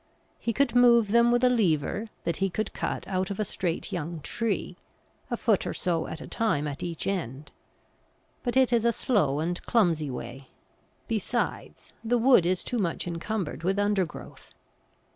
He could move them with a lever, that he could cut out of a straight young tree, a foot or so at a time at each end, but it is a slow and clumsy way; besides, the wood is too much encumbered with undergrowth.